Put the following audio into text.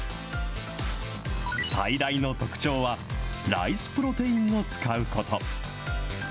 最大の特徴は、ライスプロテインを使うこと。